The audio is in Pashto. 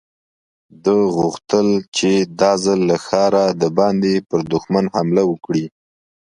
ده غوښتل چې دا ځل له ښاره د باندې پر دښمن حمله وکړي.